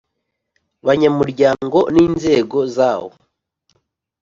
banyamuryango n inzego zawo